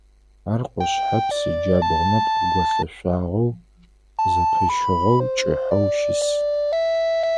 Ар Къушъхьэпс иджабгъу нэпкъ голъэшъуагъэу зэпыщыгъэу кӀыхьэу щыс.